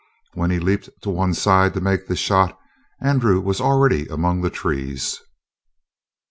When he leaped to one side to make the shot, Andrew was already among the trees.